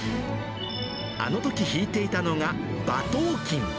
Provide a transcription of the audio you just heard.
あのとき弾いていたのが、馬頭琴。